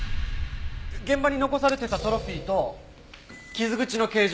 現場に残されてたトロフィーと傷口の形状が一致したよ。